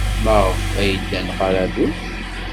Maɣef ay ddan ɣer Rrus?